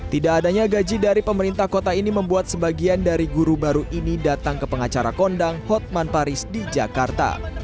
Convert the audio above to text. tidak adanya gaji dari pemerintah kota ini membuat sebagian dari guru baru ini datang ke pengacara kondang hotman paris di jakarta